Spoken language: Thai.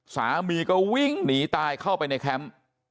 สามีก็วิ่งหนีตายเข้าไปในแคมป์